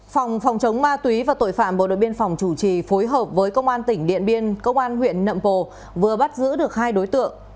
phòng phòng chống ma túy và tội phạm bộ đội biên phòng chủ trì phối hợp với công an tỉnh điện biên công an huyện nậm pồ vừa bắt giữ được hai đối tượng